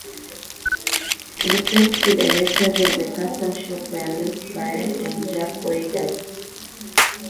The first two directors of the custom shop were Les Baer and Jack Weigand.